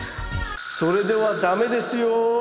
それでは駄目ですよ。